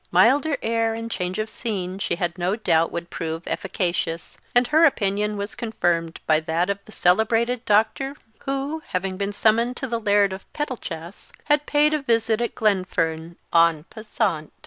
Milder air and change of scene she had no doubt would prove efficacious; and her opinion was confirmed by that of the celebrated Dr. , who, having been summoned to the Laird of Pettlechass, had paid a visit at Glenfern _en passant.